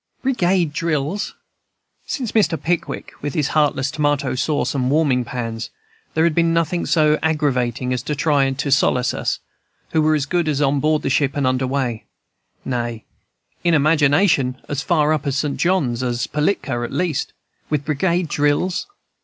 "Brigade drills! Since Mr. Pickwick, with his heartless tomato sauce and warming pans, there had been nothing so aggravating as to try to solace us, who were as good as on board ship and under way, nay, in imagination as far up the St. John's as Pilatka at least, with brigade drills!